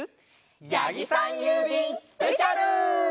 やぎさんゆうびんスペシャル！